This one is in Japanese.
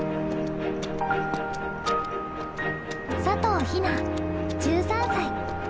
佐藤陽菜１３歳。